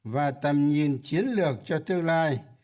và tầm nhìn chiến lược cho tương lai